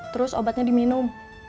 terus obatnya diminum